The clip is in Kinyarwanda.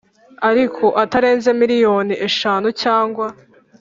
Ariko Atarenze Miliyoni Eshanu Cyangwa